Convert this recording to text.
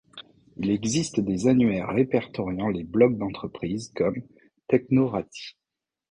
Il existe des annuaires répertoriant les blogs d'entreprises comme Technorati.